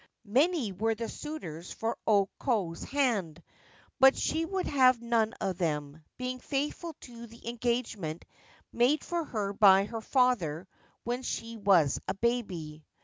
Many were the suitors for O Ko's hand ; but she would have none of them, being faithful to the engagement made for her by her father when she was a baby.